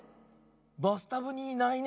バスタブにいないね。